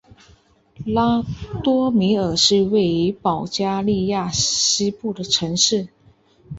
拉多米尔是位于保加利亚西部的城市。